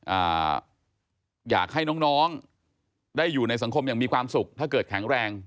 สิ่งที่เราจะค่อนข้าวจะเป็นเหมือนเขาก็จะเป็นบรรเวณนี้ด้วยสำหรับเซฟที่อยู่โรงเรียน